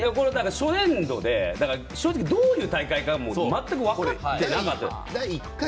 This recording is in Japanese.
初年度で正直どういう大会か全く分かっていなかった。